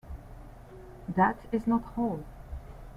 That is not all.